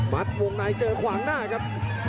มัดวงนายเจอขวางหน้าครับ